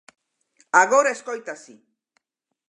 Agora escoita así.